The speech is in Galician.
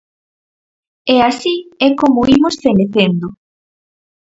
E así é como imos fenecendo.